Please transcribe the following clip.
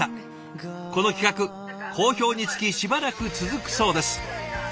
この企画好評につきしばらく続くそうです。